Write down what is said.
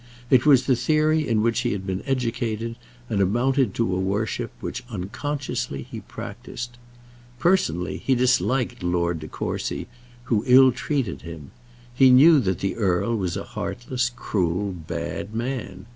It was the theory in which he had been educated, and amounted to a worship which, unconsciously, he practised. Personally, he disliked Lord De Courcy, who ill treated him. He knew that the earl was a heartless, cruel, bad man.